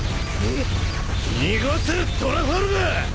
逃がせトラファルガー！